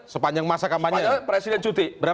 sepanjang masa kampanye